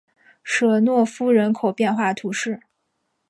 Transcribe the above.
舍诺夫人口变化图示